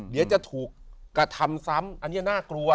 เดี๋ยวจะถูกกระทำซ้ำอันนี้น่ากลัว